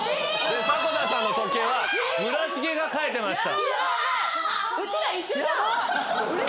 迫田さんの「時計」は村重が書いてました。